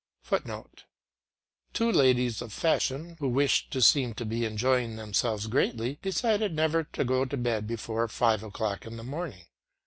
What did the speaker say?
[Footnote: Two ladies of fashion, who wished to seem to be enjoying themselves greatly, decided never to go to bed before five o'clock in the morning.